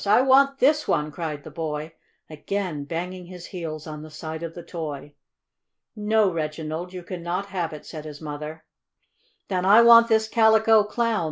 I want this one!" cried the boy, again banging his heels on the side of the toy. "No, Reginald, you cannot have it," said his mother, "Then I want this Calico Clown!"